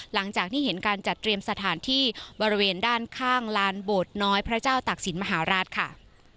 หลังจากที่เห็นการจัดเตรียมสถานที่บริเวณด้านข้างลานโบสถน้อยพระเจ้าตักศิลปมหาราชค่ะ